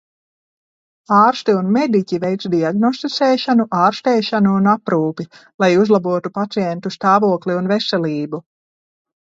Ārsti un mediķi veic diagnosticēšanu, ārstēšanu un aprūpi, lai uzlabotu pacientu stāvokli un veselību.